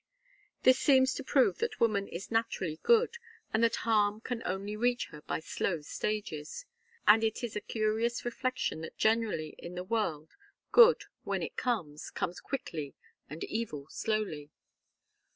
This seems to prove that woman is naturally good, and that harm can only reach her by slow stages. And it is a curious reflection that generally in the world good, when it comes, comes quickly and evil slowly.